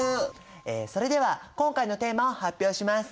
それでは今回のテーマを発表します。